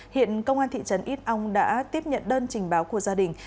hiện công an thị trấn ít âu đã tiếp nhận đơn trình báo của gia đình